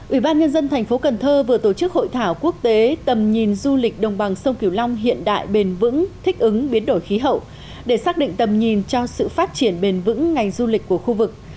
ủy ban nhân dân thành phố cần thơ vừa tổ chức hội thảo quốc tế tầm nhìn du lịch đồng bằng sông kiều long hiện đại bền vững thích ứng biến đổi khí hậu để xác định tầm nhìn cho sự phát triển bền vững ngành du lịch của khu vực